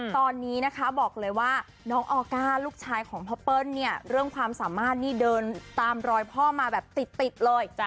ตอนนี้นะคะบอกเลยว่าน้องออก้าลูกชายของพ่อเปิ้ลเนี่ยเรื่องความสามารถนี่เดินตามรอยพ่อมาแบบติดเลย